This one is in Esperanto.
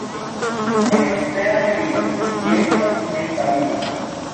En ekstera medio ĝi estas nestabila.